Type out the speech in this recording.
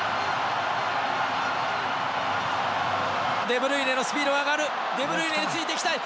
デブルイネのスピードが上がるデブルイネについていきたい！